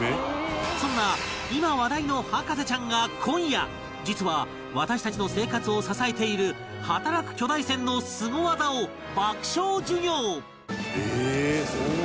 そんな今話題の博士ちゃんが今夜実は私たちの生活を支えている働く巨大船のスゴ技を爆笑授業